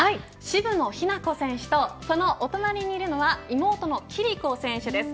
渋野日向子選手とそのお隣にいるのは妹の暉璃子選手です。